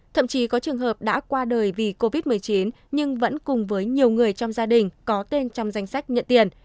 thậm chí có trường hợp đã qua đời vì covid một mươi chín nhưng vẫn cùng với nhiều người trong gia đình có tên trong danh sách nhận tiền